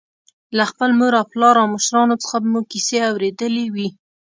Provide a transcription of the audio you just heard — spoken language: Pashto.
له خپل مور او پلار او مشرانو څخه به مو کیسې اورېدلې وي.